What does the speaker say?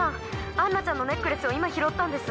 アンナちゃんのネックレスを今拾ったんです！